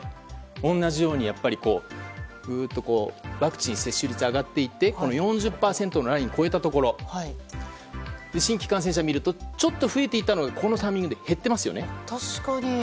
同じようにぐっとワクチン接種率が上がっていって４０％のラインを越えたところ新規感染者数を見るとちょっと増えていたのがこのタイミングで減っていますね。